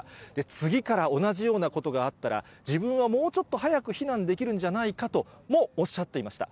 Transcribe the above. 次から同じようなことがあったら、自分はもうちょっと早く避難できるんじゃないかともおっしゃっていました。